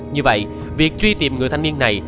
như vậy việc truy tìm người thanh niên này